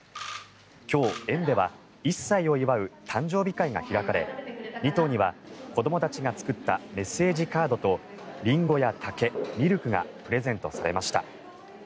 今日、園では１歳を祝う誕生日会が開かれ２頭には子どもたちが作ったメッセージカードとリンゴや竹、ミルクがプレゼントされました。